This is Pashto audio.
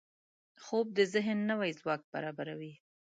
خوب د ذهن نوي ځواک برابروي